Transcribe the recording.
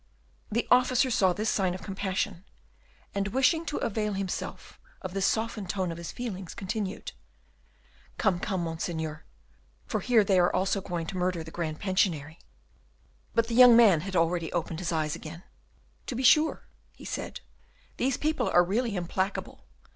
The officer saw this sign of compassion, and, wishing to avail himself of this softened tone of his feelings, continued, "Come, come, Monseigneur, for here they are also going to murder the Grand Pensionary." But the young man had already opened his eyes again. "To be sure," he said. "These people are really implacable.